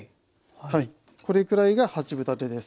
これくらいが八分立てです。